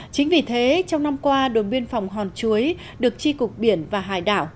chính vì thế trong năm qua đồn biên phòng hòn chuối được tri cục biển và hải đảo